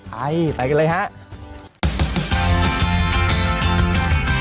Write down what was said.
ไปไปกันเลยครับ